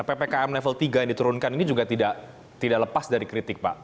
ppkm level tiga yang diturunkan ini juga tidak lepas dari kritik pak